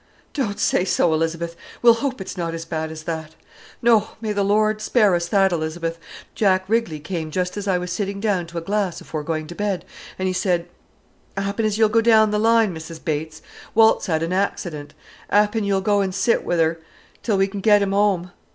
"Don't say so, Elizabeth! We'll hope it's not as bad as that; no, may the Lord spare us that, Elizabeth. Jack Rigley came just as I was sittin' down to a glass afore going to bed, an' 'e said, ''Appen you'll go down th' line, Mrs Bates. Walt's had an accident. 'Appen you'll go an' sit wi' 'er till we can get him home.